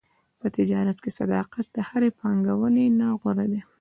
په تجارت کې صداقت د هرې پانګونې نه غوره دی.